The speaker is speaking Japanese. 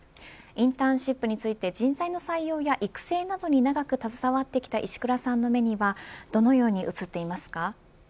インターンシップについて人材の採用や育成などに携わってきた石倉さんの目にはどのように映っていますか。